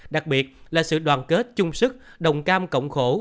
đặc biệt là sự đoàn kết chung sức đồng cam cộng khổ